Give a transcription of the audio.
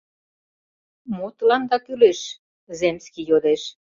— Мо тыланда кӱлеш? — земский йодеш.